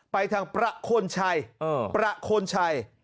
ไปทางประโคนชัยประโคนชัย